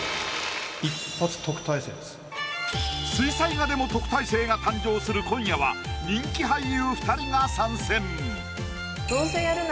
水彩画でも特待生が誕生する今夜は人気俳優２人が参戦。